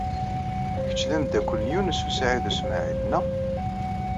Kecc d ameddakel n Yunes u Saɛid u Smaɛil, naɣ?